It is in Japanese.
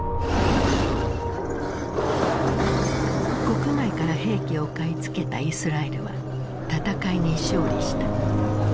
国外から兵器を買い付けたイスラエルは戦いに勝利した。